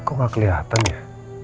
aku gak kelihatan ya